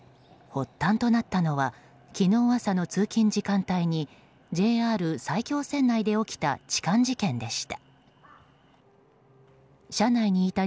発端となったのは昨日朝の通勤時間帯にＪＲ埼京線内で起きた痴漢事件でした。